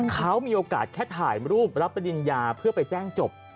เขามีโอกาสแค่ถ่ายรูปรับปริญญาเพื่อไปแจ้งจบ